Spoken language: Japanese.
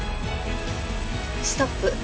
ストップ。